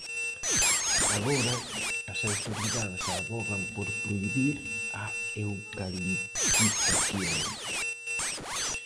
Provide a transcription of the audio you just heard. Agora, as autoridades avogan por prohibir a eucaliptización.